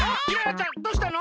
ちゃんどうしたの？